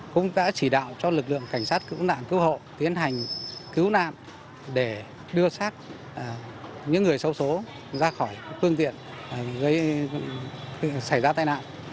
cũng đã chỉ đạo cho lực lượng cảnh sát cứu nạn cứu hộ tiến hành cứu nạn để đưa sát những người sâu số ra khỏi cương tiện xảy ra tàn nạn